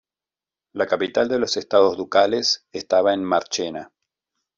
La capital de los estados ducales estaba en Marchena.